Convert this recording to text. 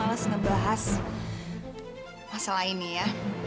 aku malas ngebahas masalah ini ya